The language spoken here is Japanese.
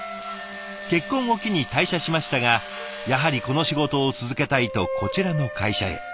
結婚を機に退社しましたがやはりこの仕事を続けたいとこちらの会社へ。